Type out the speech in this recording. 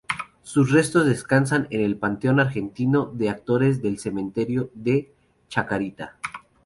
Sus restos descansan en el Panteón Argentino de Actores del Cementerio de la Chacarita.